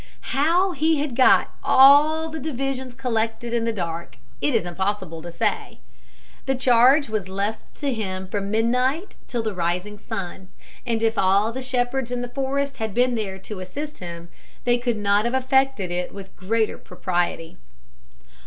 How he had got all the divisions collected in the dark it is impossible to say. The charge was left to him from midnight till the rising sun, and if all the shepherds in the forest had been there to assist him they could not have effected it with greater propriety.